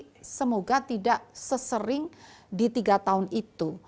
jadi semoga tidak sesering di tiga tahun itu